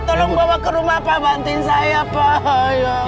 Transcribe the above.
tolong bawa ke rumah pak bantuin saya pak